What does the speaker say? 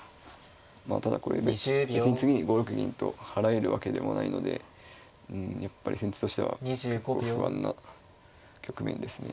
まあただこれ別に次に５六銀と払えるわけでもないのでうんやっぱり先手としては結構不安な局面ですね。